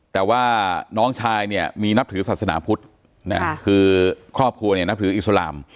แต่ว่าน้องชายเนี่ยมีนับถือศาสนาพุทธคือครอบครัวเนี่ยนับถืออิสลาม